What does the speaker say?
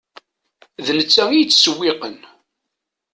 D netta i yettsewwiqen.